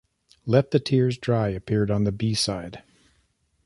"Let the Tears Dry" appeared on the B-side.